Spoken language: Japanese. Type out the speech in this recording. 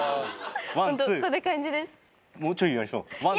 ホントこんな感じです。